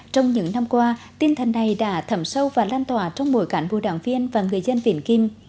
trong những năm qua tinh thần này đã thẩm sâu và lan tỏa trong mỗi cản vô đảng viên và người dân vĩnh kim